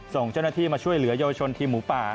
ส่งเจ้าหน้าที่มาช่วยเหลือเยาวชนทีมหมูป่า